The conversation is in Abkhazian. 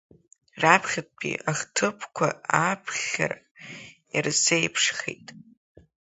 Раԥхьатәи ахҭыԥқәа ааԥхьарак ирзеиԥшхеит.